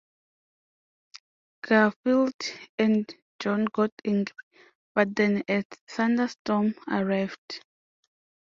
Garfield and Jon got angry, but then a thunderstorm arrived.